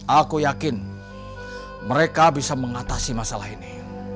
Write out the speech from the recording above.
aku yakin mereka bisa mengatasi masalah ini